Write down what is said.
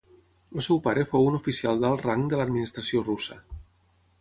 El seu pare fou un oficial d'alt rang de l'administració russa.